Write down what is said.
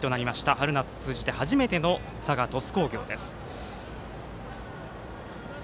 春夏通じて初めての佐賀、鳥栖工業です。